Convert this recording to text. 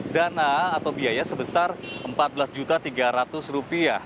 dana atau biaya sebesar rp empat belas tiga ratus